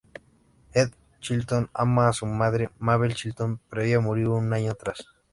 Ed Chilton ama a su madre, Mabel Chilton, pero ella murió un año atrás.